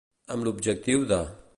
Amb l'objectiu de.